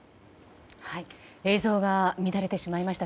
映像が乱れてしまいました。